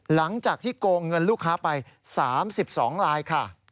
หลังจากที่โกงเงินลูกค้าไป๓๒ลายค่ะ